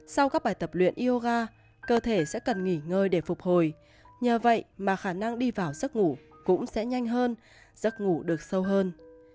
sau các bài tập luyện yoga cơ thể sẽ cần nghỉ ngơi để phục hồi nhờ vậy mà khả năng đi vào giấc ngủ cũng sẽ nhanh hơn giấc ngủ được sâu hơn